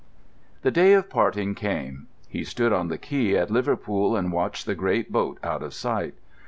] IV The day of parting came. He stood on the quay at Liverpool and watched the great boat out of sight.